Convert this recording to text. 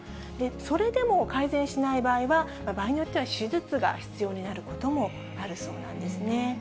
それでも改善しない場合は、場合によっては手術が必要になることもあるそうなんですね。